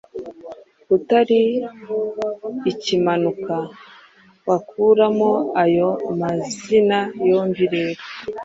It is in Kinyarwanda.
utari Ikimanuka. Wakuramo ayo mazina yombi rero,